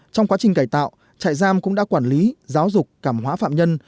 trong quá trình cải tạo trại giam cũng đã quản lý giáo dục cảm hóa phạm nhân